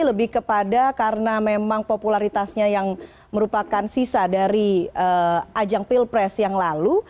lebih kepada karena memang popularitasnya yang merupakan sisa dari ajang pilpres yang lalu